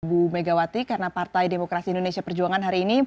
bu megawati karena partai demokrasi indonesia perjuangan hari ini